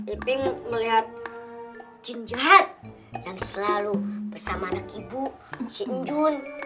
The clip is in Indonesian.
iping melihat jin jahat yang selalu bersama anak ibu shin jun